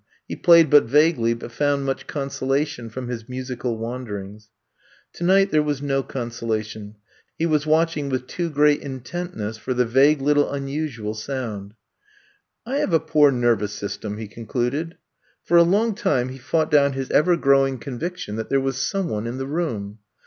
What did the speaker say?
He played but vaguely, but found much consolation from his musical wanderings. Tonight there was no conso lation, he was watching with too great in tentness for the vague little unusual sound. I have a poor nervous system,'* he con cluded. For a long time he fought down his ever growing conviction that there was some one in the room.